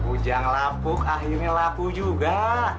ujang lapuk akhirnya lapu juga